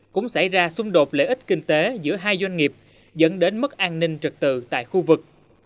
cũng xảy ra xung đột lợi ích kinh tế giữa hai doanh nghiệp dẫn đến mất an ninh trật tự tại khu vực